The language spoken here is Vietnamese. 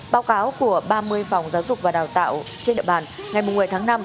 báo cáo của ba mươi phòng giáo dục và đào tạo trên địa bàn ngày một mươi tháng năm